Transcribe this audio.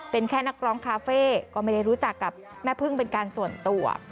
เป็นแค่นักร้องคาเฟ่ก็ไม่ได้รู้จักกับแม่พึ่งเป็นการส่วนตัว